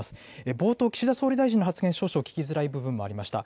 冒頭、岸田総理の発言、少々聞きづらい部分もありました。